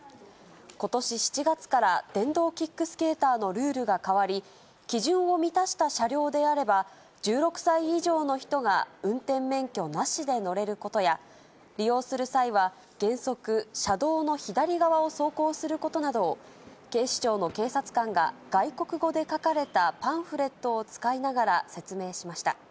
ことし７月から電動キックスケーターのルールが変わり、基準を満たした車両であれば、１６歳以上の人が運転免許なしで乗れることや、利用する際は原則、車道の左側を走行することなどを、警視庁の警察官が外国語で書かれたパンフレットを使いながら説明しました。